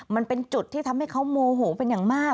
มันเป็นจุดที่ทำให้เขาโมโหเป็นอย่างมาก